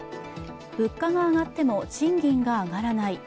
物価が上がっても賃金が上がらない。